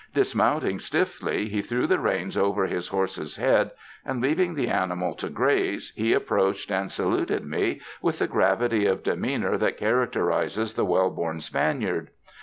Dismounting stiffly, he threw the reins over his horse's head, and leaving the animal to graze, he approached and saluted me with the gravity of demeanor that characterizes the well bom Spaniard.